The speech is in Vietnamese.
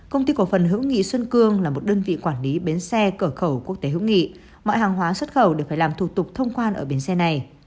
công ty cổ phần hữu nghị xuân cương là một đơn vị quản lý bến xe cửa khẩu quốc tế hữu nghị mọi hàng hóa xuất khẩu đều phải làm thủ tục thông quan ở bến xe này